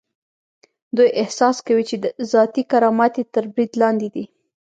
دوی احساس کوي چې ذاتي کرامت یې تر برید لاندې دی.